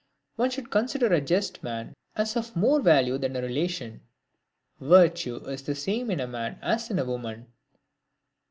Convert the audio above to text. One should consider a just man as of more value than a relation. Virtue is the same in a man as in a woman.